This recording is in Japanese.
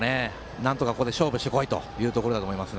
なんとかここで勝負してこいというところだと思います。